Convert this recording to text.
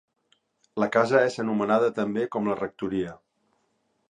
La casa és anomenada també com la rectoria.